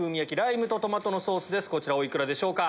こちらお幾らでしょうか？